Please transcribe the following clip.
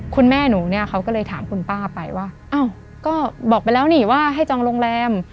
คุณแม่หนูเนี่ยเขาก็เลยถามคุณป้าไปว่าอ้าวก็บอกไปแล้วนี่ว่าให้จองโรงแรม